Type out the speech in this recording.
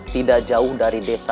tidak jauh dari rumah mereka